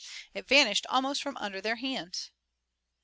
It vanished almost from under their hands."